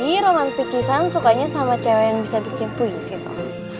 oh jadi roman picisan sukanya sama cewe yang bisa bikin puisi toh